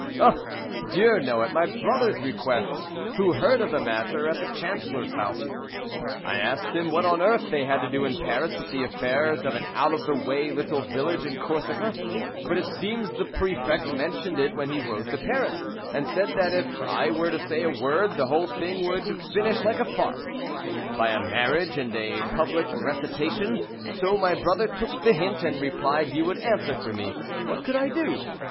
"Oh! dear no, at my brother's request, who heard of the matter at the Chancellor's house. I asked him what on earth they had to do in Paris with the affairs of an out of the way little village in Corsica; but it seems the préfect mentioned it when he wrote to Paris, and said that if I were to say a word the whole thing would finish like a farce, by a marriage and a public recitation; so my brother took the hint, and replied he would answer for me. What could I do?"